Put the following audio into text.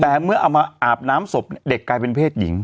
แต่เมื่อเอามาอาบน้ำศพเด็กกลายเป็นเพศหญิง